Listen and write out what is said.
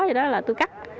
thì đó là tôi cắt